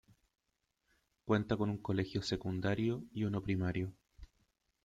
Cuenta con un colegio secundario y uno primario.